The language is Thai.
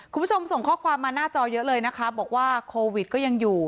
คุณผู้ชมส่งข้อความมาหน้าจอเยอะเลยนะคะบอกว่าโควิดก็ยังอยู่